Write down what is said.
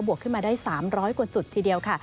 วกขึ้นมาได้๓๐๐กว่าจุดทีเดียวค่ะ